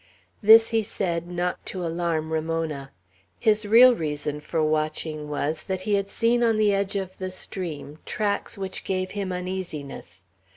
This he said, not to alarm Ramona. His real reason for watching was, that he had seen on the edge of the stream tracks which gave him uneasiness.